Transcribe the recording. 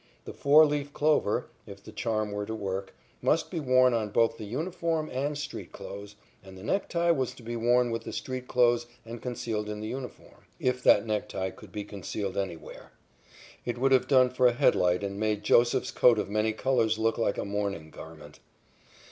The four leaf clover, if the charm were to work, must be worn on both the uniform and street clothes, and the necktie was to be worn with the street clothes and concealed in the uniform, if that necktie could be concealed anywhere. It would have done for a headlight and made Joseph's coat of many colors look like a mourning garment.